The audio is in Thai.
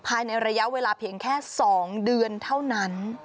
ภายในระยะเวลาเพียงแค่๒เดือนเท่านั้น